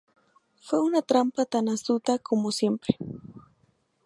Fue una trampa tan astuta como siempre".